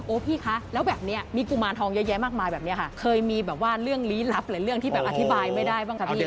พี่คะแล้วแบบนี้มีกุมารทองเยอะแยะมากมายแบบนี้ค่ะเคยมีแบบว่าเรื่องลี้ลับหรือเรื่องที่แบบอธิบายไม่ได้บ้างคะพี่